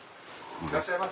いらっしゃいませ。